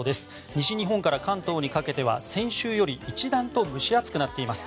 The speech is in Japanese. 西日本から関東にかけては先週より一段と蒸し暑くなっています。